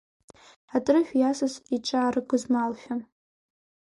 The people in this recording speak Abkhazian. Атрышә иасыз иҽааргызмалшәа.